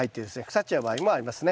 腐っちゃう場合もありますね。